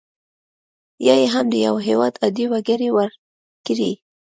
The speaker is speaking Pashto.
یا یې هم د یو هیواد عادي وګړي ورکړي.